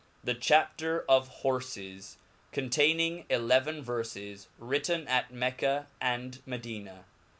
77?^ Chapter of Horfes, contaimng eleven Verfes , V^rittcn tit Mecca, and Medina.